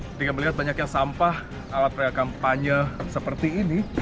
ketika melihat banyaknya sampah alat rekampanye seperti ini